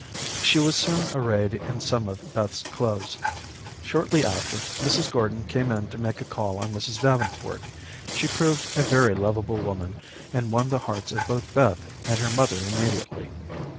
She was soon arrayed in some of Beth's clothes. Shortly after, Mrs. Gordon came in to make a call on Mrs. Davenport. She proved a very lovable woman, and won the hearts of both Beth and her mother immediately.